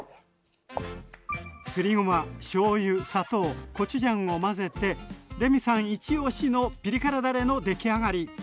すりごましょうゆ砂糖コチュジャンを混ぜてレミさんイチオシのピリ辛ダレのできあがり。